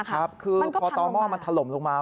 ครับคือพอต่อหม้อมันถล่มลงมา